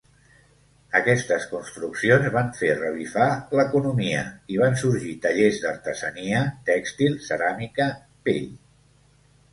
Aquestes construccions van fer revifar l'economia i van sorgir tallers d'artesania: tèxtil, ceràmica, pell.